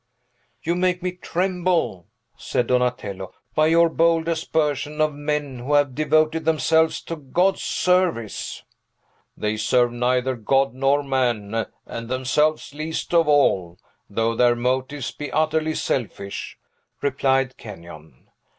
"You make me tremble," said Donatello, "by your bold aspersion of men who have devoted themselves to God's service!" "They serve neither God nor man, and themselves least of all, though their motives be utterly selfish," replied Kenyon.